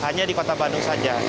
hanya di kota bandung saja